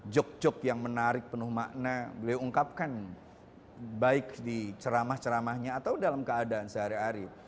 joke joke yang menarik penuh makna beliau ungkapkan baik di ceramah ceramahnya atau dalam keadaan sehari hari